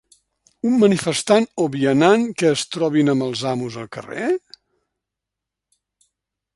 Un manifestant o vianant que es trobin amb els amos al carrer?